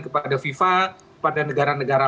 kepada fifa pada negara negara